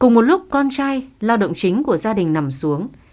cùng một lúc con trai lao động chính của gia đình nằm xuống